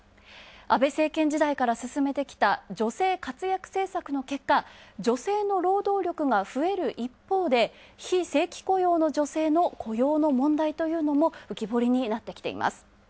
安倍政権時代からすすめてきた女性活躍を結果、女性の労働力が増える一方で非正規雇用の女性の問題というのも浮き彫りになってきています。